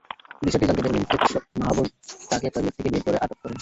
বিষয়টি জানতে পেরে ম্যাজিস্ট্রেট মাহবুব তাঁকে টয়লেট থেকে বের করে আটক করেন।